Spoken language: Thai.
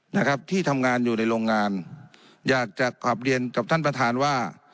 นะครับที่ทำงานอยู่ในโรงงานอยากจะกลับเรียนกับท่านประธานว่า